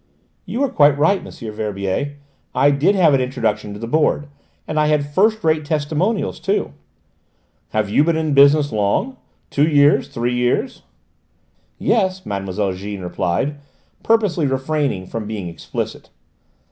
"You are quite right, M. Verbier: I did have an introduction to the Board: and I had first rate testimonials too." "Have you been in business long? Two years three years?" "Yes," Mlle. Jeanne replied, purposely refraining from being explicit.